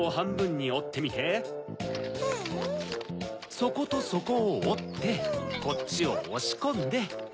そことそこをおってこっちをおしこんで。